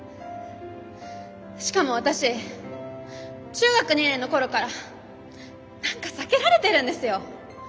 しかも私中学２年の頃から何か避けられてるんですよ。